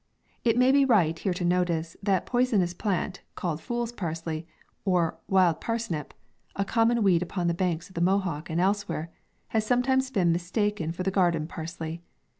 It may be right here to notice, that the poi sonous plant, called fool's parsley, or wild parsnip, a common weed upon the banks of the Mohawk and elsewhere, has sometimes been mistaken for the garden parsley.